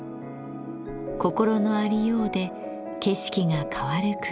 心のありようで景色が変わる空間です。